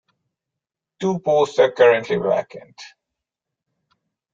Two posts are currently vacant.